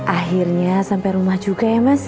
akhirnya sampai rumah juga ya mas